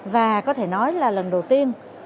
và có thể nói là lần đầu tiên